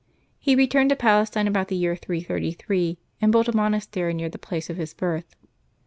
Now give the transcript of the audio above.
He returned to Palestine about the year 333, and built a monastery near the place of his birth.